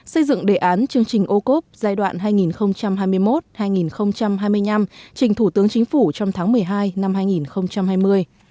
xây dựng đề án chương trình ô cốp giai đoạn hai nghìn hai mươi một hai nghìn hai mươi năm trình thủ tướng chính phủ trong tháng một mươi hai năm hai nghìn hai mươi